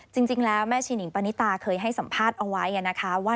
จริงแล้วแม่ชีหิงปณิตาเคยให้สัมภาษณ์เอาไว้นะคะว่า